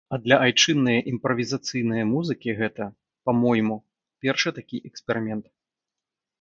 А для айчыннае імправізацыйнае музыкі гэта, па-мойму, першы такі эксперымент.